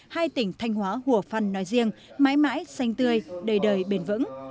hai tỉnh thanh hóa hủa phan nói riêng mãi mãi xanh tươi đời đời bền vững